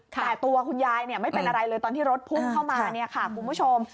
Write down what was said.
แต่ตัวคุณยายไม่เป็นอะไรเลยตอนที่รถพุ่งเข้ามาเนี่ยค่ะคุณผู้ชม